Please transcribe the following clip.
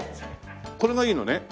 これがいいのね？